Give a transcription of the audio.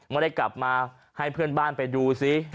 ไม่ได้กลับมาให้เพื่อนบ้านไปดูซิ